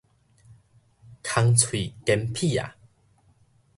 空喙堅疕矣